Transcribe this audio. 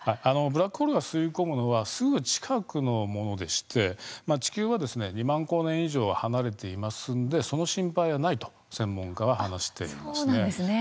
ブラックホールが吸い込むのはすぐ近くのものでして地球は２万光年以上離れていますんでその心配はないと専門家は話していますね。